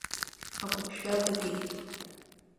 Агәыԥжәа дагеит.